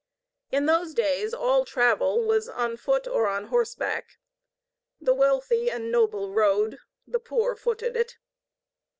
In those days all travel was on foot or on horseback. The wealthy and noble rode, the poor footed it.